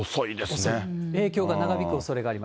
影響が長引くおそれがありま